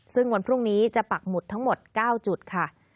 ซึ่งวันพรุ่งนี้จะปักหมุดทั้งหมด๙จุดค่ะ